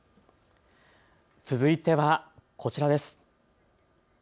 続いてはこちらです。